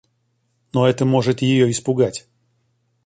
Но это может её испугать.